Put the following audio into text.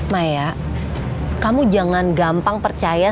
maya kamu jangan gampang percaya